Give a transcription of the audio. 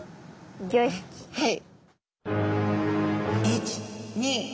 はい。